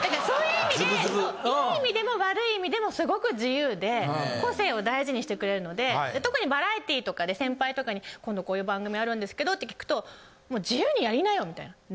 そういう意味でいい意味でも悪い意味でもすごく自由で個性を大事にしてくれるので特にバラエティーとかで先輩とかに今度こういう番組あるんですけどって聞くともう自由にやりなよみたいな。